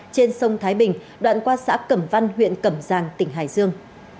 trên sông thái bình đoạn qua xã cẩm văn huyện cẩm giang tỉnh hải dương